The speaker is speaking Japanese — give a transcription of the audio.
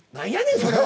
それは。